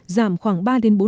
giảm khoảng ba bốn